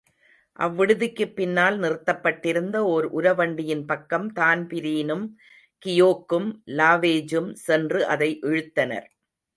அவ்விடுதிக்குப் பின்னால் நிறுத்தப்பட்டிருந்த ஓர் உர வண்டியின் பக்கம் தான்பிரீனும், கியோக்கும், லாவேஜூம் சென்று அதை இழுத்தனர்.